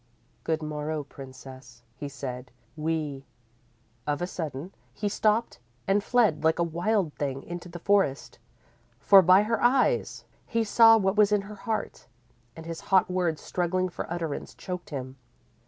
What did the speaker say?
_ "Good morrow, Princess," he said. "We " _Of a sudden, he stopped and fled like a wild thing into the forest, for by her eyes, he saw what was in her heart, and his hot words, struggling for utterance, choked him.